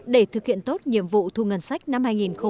để thực hiện tốt nhiệm vụ thu ngân sách năm hai nghìn hai mươi